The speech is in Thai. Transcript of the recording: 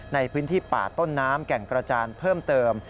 ในพื้นที่ป่าต้นน้ำแก่งกระจานเพิ่มเติม